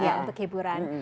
iya untuk hiburan